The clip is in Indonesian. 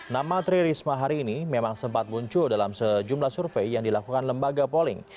nama tri risma hari ini memang sempat muncul dalam sejumlah survei yang dilakukan lembaga polling